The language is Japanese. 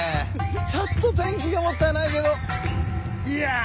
ちょっと天気がもったいないけどヤァー！